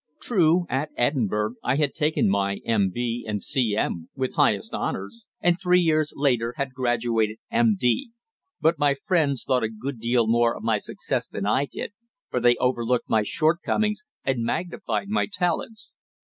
True, at Edinburgh I had taken my M.B. and C.M. with highest honours, and three years later had graduated M.D., but my friends thought a good deal more of my success than I did, for they overlooked my shortcomings and magnified my talents.